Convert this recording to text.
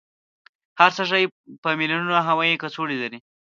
هر سږی په میلونونو هوایي کڅوړې لري.